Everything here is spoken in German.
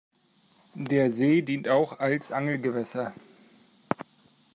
Der See dient auch als Angelgewässer.